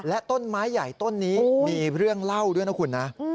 และต้นไม้ใหญ่ต้นนี้มีเรื่องเล่าด้วยนะคุณนะ